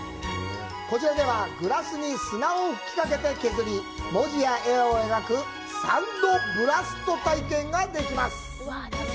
こちらでは、グラスに砂を吹きかけて削り、文字や絵を描くサンドブラスト体験ができます。